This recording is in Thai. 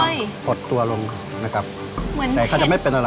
ไปดูกันค่ะว่าหน้าตาของเจ้าปาการังอ่อนนั้นจะเป็นแบบไหน